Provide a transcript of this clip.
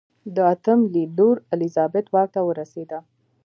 د اتم لي لور الیزابت واک ته ورسېده.